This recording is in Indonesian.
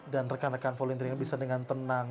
dan rekan rekan volunteer bisa dengan tenang